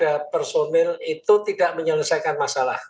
sanksi pada personil itu tidak menyelesaikan masalah